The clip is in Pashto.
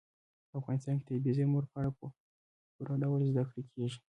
په افغانستان کې د طبیعي زیرمو په اړه په پوره ډول زده کړه کېږي.